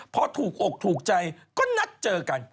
พอถูกอกถูกใจก็นัดเจอกัน